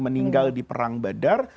meninggal di perang badar